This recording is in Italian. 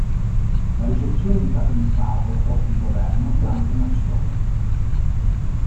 La ricezione di capi di stato o di governo di altre Nazioni.